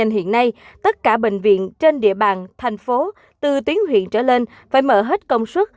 hiện nay tất cả bệnh viện trên địa bàn thành phố từ tuyến huyện trở lên phải mở hết công suất